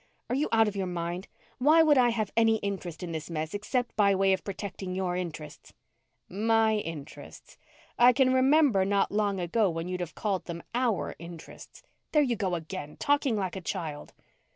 "Are you out of your mind? Why would I have any interest in this mess except by way of protecting your interests?" "My interests. I can remember not long ago when you'd have called them our interests." "There you go again. Talking like a child!"